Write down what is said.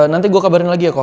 nanti gue kabarin lagi ya kok